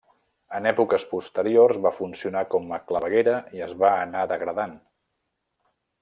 En èpoques posteriors va funcionar com a claveguera i es va anar degradant.